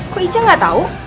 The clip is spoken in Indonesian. kok ica gak tau